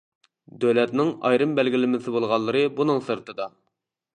دۆلەتنىڭ ئايرىم بەلگىلىمىسى بولغانلىرى بۇنىڭ سىرتىدا.